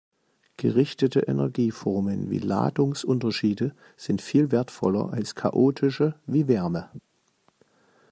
Gerichtete Energieformen wie Ladungsunterschiede sind viel wertvoller als chaotische wie Wärme.